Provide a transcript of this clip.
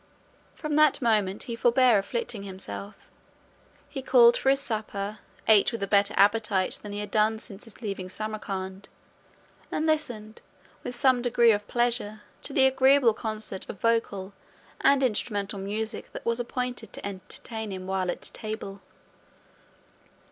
From that moment he forbore afflicting himself. He called for his supper, ate with a better appetite than he had done since his leaving Samarcand, and listened with some degree of pleasure to the agreeable concert of vocal and instrumental music that was appointed to entertain him while at table.